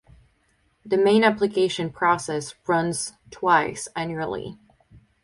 The main application process runs twice annually.